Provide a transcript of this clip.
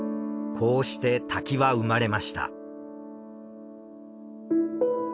こうして「滝」は生まれました。